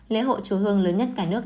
lễ hộ chú hương lớn nhất cả nước